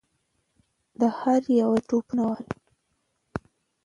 د هر یوه زړه ټوپونه وهل.